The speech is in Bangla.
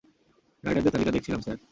রাইডারদের তালিকা দেখছিলাম, স্যার।